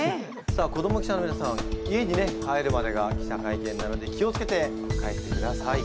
さあ子ども記者のみなさま家にね帰るまでが記者会見なので気を付けて帰ってください。